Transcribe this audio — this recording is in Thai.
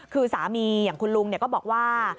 คือสามีอย่างคุณลุงก็บอกว่า